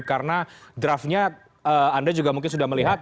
karena draftnya anda juga mungkin sudah melihat